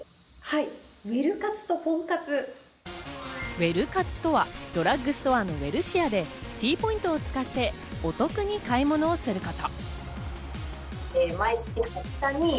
ウエル活とはドラッグストアのウエルシアでＴポイントを使って、お得に買い物をすること。